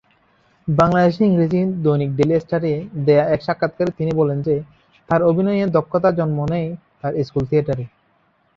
বাংলাদেশী ইংরেজি দৈনিক ডেইলি স্টার-এ দেয়া এক সাক্ষাৎকারে তিনি বলেন যে তার অভিনয়ে দক্ষতা জন্ম নেয় তার স্কুল থিয়েটারে।